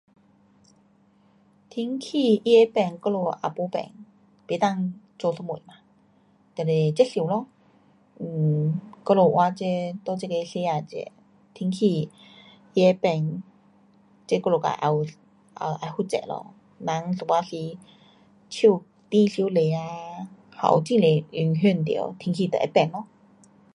天气它会变我们也没法。不能做什么嘛。就是接受咯，um 我们活这，在这个世界这天气它会变这我们也会负责咯。人有半时树砍太多啊，还有很多影响到天气就会变咯。